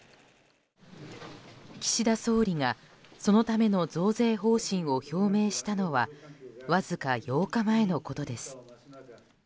岸田総理が、そのための増税方針を表明したのはわずか８日前のことです。